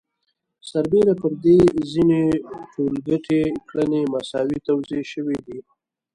سربېره پر دې ځینې ټولګټې کړنې مساوي توزیع شوي دي